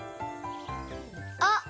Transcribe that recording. あっ！